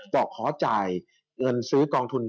บอกขอจ่ายเงินซื้อกองทุน